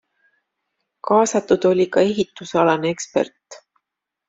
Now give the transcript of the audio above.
Kaasatud oli ka ehitusalane ekspert.